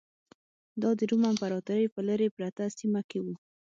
دا د روم امپراتورۍ په لرې پرته سیمه کې و